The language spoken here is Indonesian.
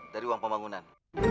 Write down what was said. dari uang pembangunan